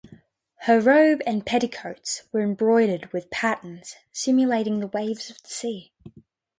Her robe and petticoats were embroidered with patterns simulating the waves of the sea.